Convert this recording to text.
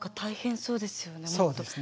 そうですね。